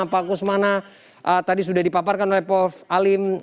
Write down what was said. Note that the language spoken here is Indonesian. pak kusmana tadi sudah dipaparkan oleh prof alim